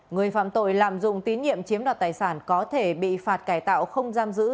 người phạm tội lạm dụng tín nhiệm chiếm đoạt tài sản có thể bị phạt cải tạo không giam giữ